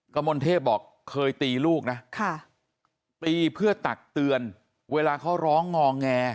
มลเทพบอกเคยตีลูกนะตีเพื่อตักเตือนเวลาเขาร้องงอแง